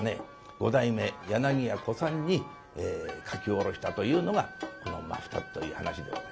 五代目柳家小さんに書き下ろしたというのがこの「真二つ」という噺でございまして。